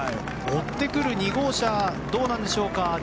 追ってくる２号車どうなんでしょうか。